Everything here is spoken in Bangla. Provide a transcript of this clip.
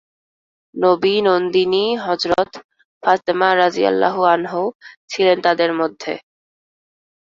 নবী নন্দিনী হযরত ফাতেমা রাযিয়াল্লাহু আনহাও ছিলেন তাদের মধ্যে।